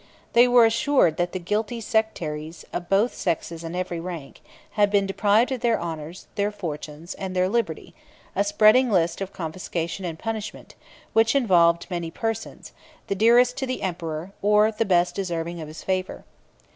They were assured that the guilty sectaries, of both sexes and every rank, had been deprived of their honors, their fortunes, and their liberty; a spreading list of confiscation and punishment, which involved many persons, the dearest to the emperor, or the best deserving of his favor.